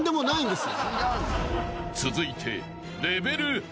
［続いて］